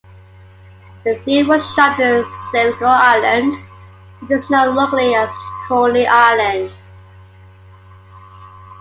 The film was shot in Sligo, Ireland, which is known locally as "Coney Island".